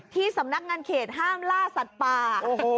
สำนักงานเขตห้ามล่าสัตว์ป่า